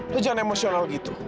lo jangan emosional gitu